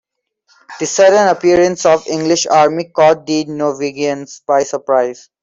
The sudden appearance of the English army caught the Norwegians by surprise.